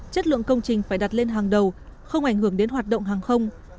chất lượng công trình phải đặt lên hàng đầu không ảnh hưởng đến hoạt động hàng không